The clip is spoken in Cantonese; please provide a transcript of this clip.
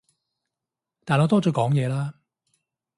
但我多咗講嘢啦